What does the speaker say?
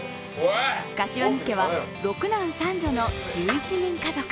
柏木家は６男３女の１１人家族。